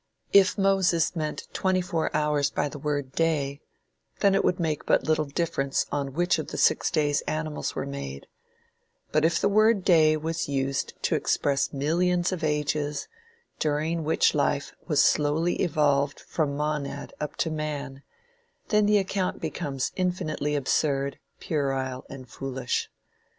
If Moses meant twenty four hours by the word day, then it would make but little difference on which of the six days animals were made; but if the word day was used to express millions of ages, during which life was slowly evolved from monad up to man, then the account becomes infinitely absurd, puerile and foolish.